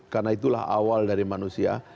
karena itulah awal dari manusia